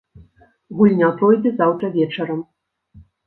Гульня пройдзе заўтра вечарам.